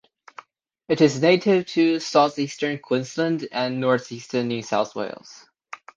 It is native to south eastern Queensland and north eastern New South Wales.